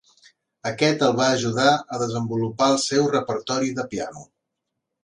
Aquest el va ajudar a desenvolupar el seu repertori de piano.